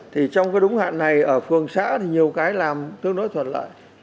thì trong cái đúng hạn này ở phường xã thì nhiều cái làm tương đối thuận lợi